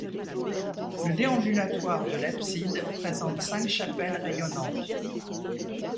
Le déambulatoire de l'abside présente cinq chapelles rayonnantes.